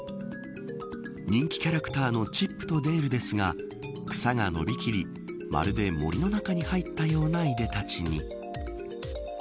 人気キャラクターのチップとデールですが草が伸びきりまるで森の中に入ったようないでたちに。